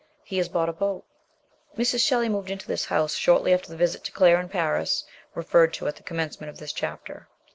He has bought a boat." Mrs. Shelley moved into this house shortly after the visit to Claire in Paris, referred to at the commence ment of this chapter.